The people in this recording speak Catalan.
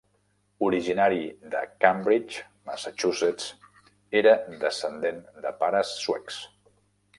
Originari de Cambridge, Massachusetts, era descendent de pares suecs.